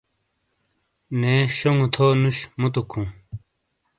نے شونگو تھو نوش موتوک ہوں